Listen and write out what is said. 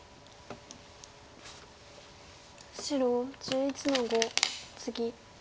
白１１の五ツギ。